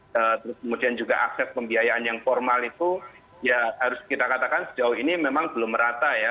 terus kemudian juga akses pembiayaan yang formal itu ya harus kita katakan sejauh ini memang belum merata ya